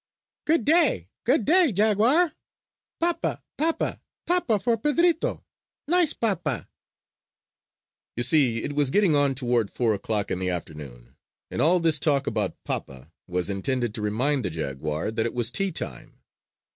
"Good day, good day, jaguar! Papa, papa, papa for Pedrito! Nice papa!" You see, it was getting on toward four o'clock in the afternoon; and all this talk about "papa" was intended to remind the jaguar that it was tea time.